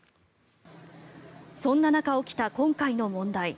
そんな中、起きた今回の問題。